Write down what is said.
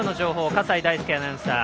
笠井大輔アナウンサー